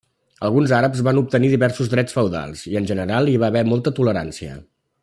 Alguns àrabs van obtenir diversos drets feudals i en general hi va haver molta tolerància.